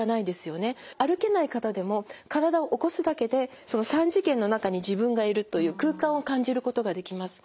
歩けない方でも体を起こすだけでその３次元の中に自分がいるという空間を感じることができます。